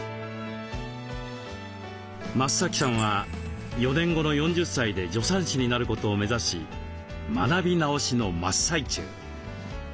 増さんは４年後の４０歳で助産師になることを目指し学び直しの真っ最中。